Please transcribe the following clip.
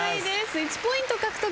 １ポイント獲得。